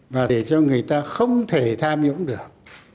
và để cho người ta không thể tham nhũng được